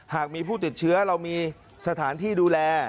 หากมีผู้ติดเชื้อเรามีสถานที่ดูแล